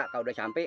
kalau udah sampe